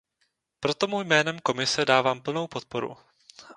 Proto mu jménem Komise dávám plnou podporu.